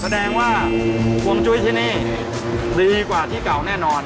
แสดงว่าฮวงจุ้ยที่นี่ดีกว่าที่เก่าแน่นอน